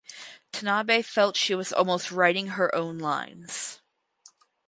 Tanabe felt she was almost "writing her own lines".